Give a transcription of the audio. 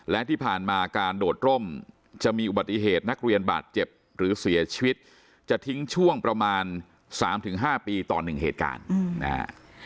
และที่ผ่านมาการโดดร่มจะมีอุบัติเหตุนักเรียนบาดเจ็บหรือเสียชีวิตจะทิ้งช่วงประมาณ๓๕ปีต่อ๑เหตุการณ์นะฮะ